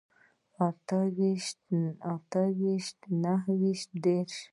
اته ويشت نهه ويشت دېرش